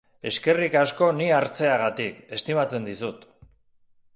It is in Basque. Eskerrik asko ni hartzeagatik, estimatzen dizut.